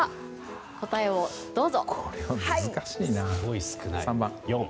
答えを、どうぞ。